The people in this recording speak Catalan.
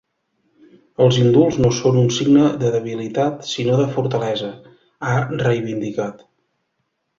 “Els indults no són un signe de debilitat sinó de fortalesa”, ha reivindicat.